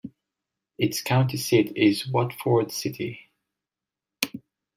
Its county seat is Watford City.